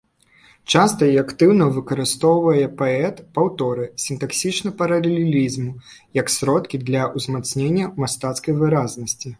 Часта і актыўна выкарыстоўвае паэт паўторы, сінтаксічны паралелізм, як сродкі для ўзмацнення мастацкай выразнасці.